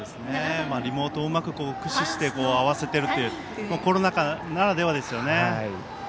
リモートをうまく駆使して合わせているってコロナ禍ならではですよね。